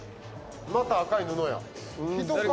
また赤い布や人か？